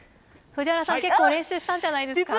藤原さん、結構練習したんじゃないんですか？